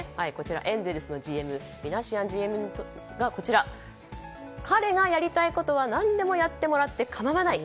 エンゼルスのＧＭミナシアンは彼がやりたいことは何でもやってもらって構わない。